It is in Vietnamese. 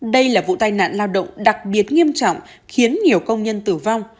đây là vụ tai nạn lao động đặc biệt nghiêm trọng khiến nhiều công nhân tử vong